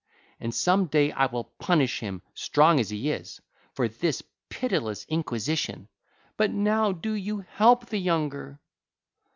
And some day I will punish him, strong as he is, for this pitiless inquisition; but now do you help the younger.